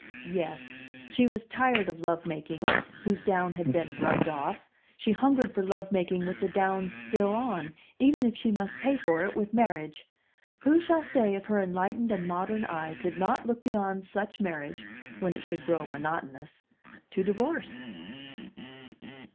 Yes; she was tired of love making whose down had been rubbed off; she hungered for love making with the down still on, even if she must pay for it with marriage. Who shall say if her enlightened and modern eye could not look beyond such marriage (when it should grow monotonous) to divorce?